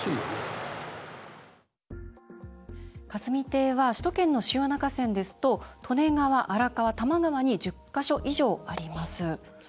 霞堤は首都圏の主要な河川ですと利根川、荒川、多摩川に１０か所以上あります。